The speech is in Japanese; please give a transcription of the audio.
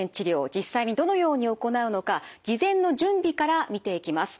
実際にどのように行うのか事前の準備から見ていきます。